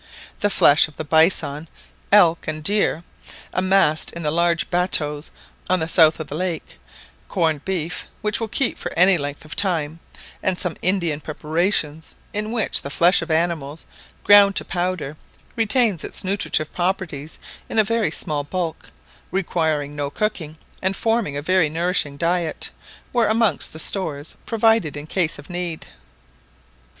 The flesh of the bison, elk, and deer, amassed in the large battues on the south of the lake; corned beef, which will keep for any length of time; and some Indian preparations, in which the flesh of animals, ground to powder, retains its nutritive properties in a very small bulk, requiring no cooking, and forming a very nourishing diet, were amongst the stores provided in case of need.